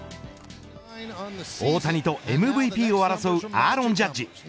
大谷とＭＶＰを争うアーロン・ジャッジ。